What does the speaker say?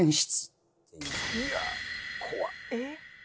いや怖っ。